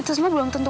itu semua belum tentu